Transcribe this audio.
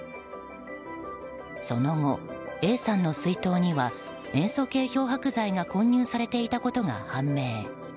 その後、Ａさんの水筒には塩素系漂白剤が混入されていたことが判明。